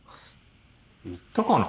言ったかな？